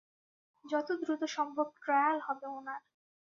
যত দ্রুত সম্ভব ট্রায়াল হবে ওনার।